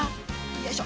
よいしょ！